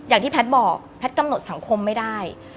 อย่างที่แพทย์บอกแพทย์กำหนดสังคมไม่ได้